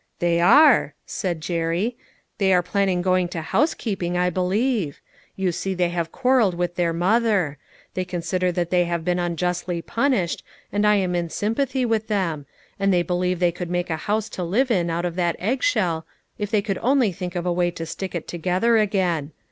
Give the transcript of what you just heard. " They are," said Jerry. "They are planning going to housekeeping, I believe ; you see they have quarreled with their mother. They con sider that they have been unjustly punished, and I am in sympathy with them ; and they believe they could make a house to live in out of that eggshell if they could only think of a way to stick it together again.